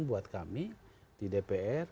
buat kami di dpr